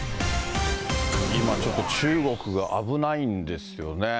今、ちょっと中国が危ないんですよね。